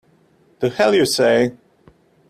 The hell you say!